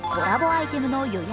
アイテムの予約